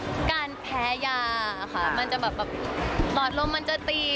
คือการแพ้ยาค่ะมันจะแบบหลอดลมมันจะตี